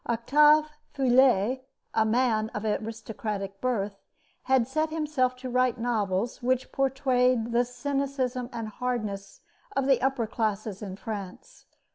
Octave Feuillet, a man of aristocratic birth, had set himself to write novels which portrayed the cynicism and hardness of the upper classes in France.